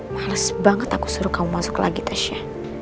males banget aku suruh kamu masuk lagi tesnya